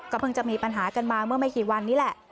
เพิ่งจะมีปัญหากันมาเมื่อไม่กี่วันนี้แหละ